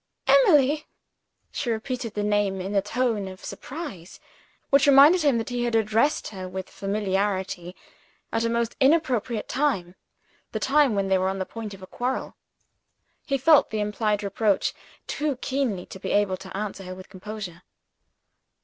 "Emily?" She repeated the name in a tone of surprise, which reminded him that he had addressed her with familiarity at a most inappropriate time the time when they were on the point of a quarrel. He felt the implied reproach too keenly to be able to answer her with composure.